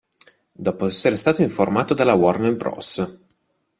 Dopo essere stato informato dalla Warner Bros.